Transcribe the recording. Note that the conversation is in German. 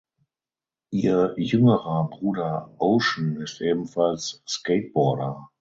Ihr jüngerer Bruder Ocean ist ebenfalls Skateboarder.